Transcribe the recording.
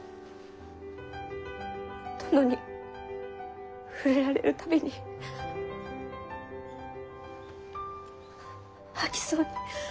殿に触れられるたびに吐きそうに。